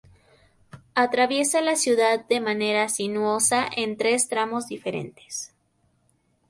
Atraviesa la ciudad de manera sinuosa en tres tramos diferentes.